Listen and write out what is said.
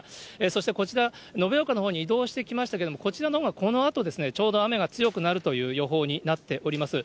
そしてこちら、延岡のほうに移動してきましたけれども、こちらのほうが、このあと、ちょうど雨が強くなるという予報になっております。